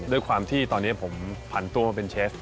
ด้วยความที่ตอนนี้ผมผันตัวมาเป็นเชฟ